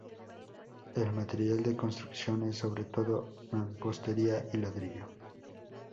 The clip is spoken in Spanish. El material de construcción es, sobre todo, mampostería y ladrillo.